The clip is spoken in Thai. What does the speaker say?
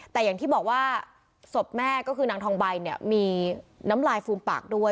แต่อย่างที่บอกว่าศพแม่ก็คือนางทองใบเนี่ยมีน้ำลายฟูมปากด้วย